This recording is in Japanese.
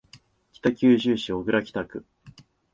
北九州市小倉北区